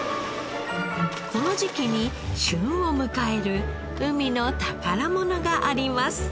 この時期に旬を迎える海の宝物があります。